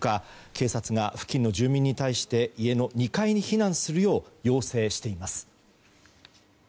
警察が付近の住民に対して家の２階に避難するよう要請しています。